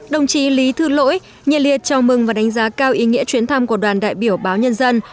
đồng chí lý thư lỗi nhiệt liệt chào mừng và đánh giá cao ý nghĩa chuyến thăm của đoàn đại biểu báo nhân dân